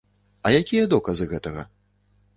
А якія доказы гэтага?